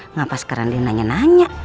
ngapas keren dia nanya nanya